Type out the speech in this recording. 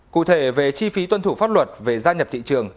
cụ thể về chi phí tuân thủ pháp luật về gia nhập thị trường